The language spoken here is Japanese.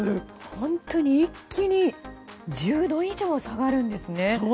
本当に一気に１０度以上下がるんですね。